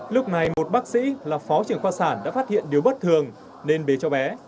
lúc này một bác sĩ là phó trưởng khoa sản đã phát hiện điều bất thường nên bế cháu bé